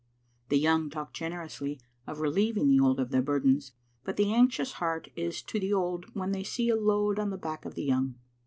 The young talk generously of relieving the old of their burdens, but the anxious heart is to the old when they see a load on the back of the young.